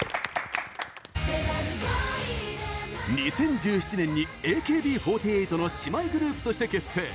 ２０１７年にＡＫＢ４８の姉妹グループとして結成。